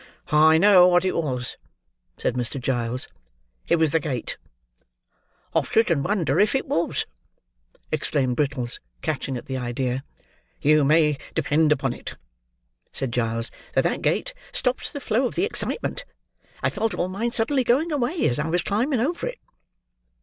"I know what it was," said Mr. Giles; "it was the gate." "I shouldn't wonder if it was," exclaimed Brittles, catching at the idea. "You may depend upon it," said Giles, "that that gate stopped the flow of the excitement. I felt all mine suddenly going away, as I was climbing over it."